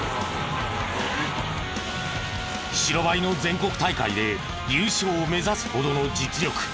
白バイの全国大会で優勝を目指すほどの実力。